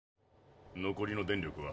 残りの電力は？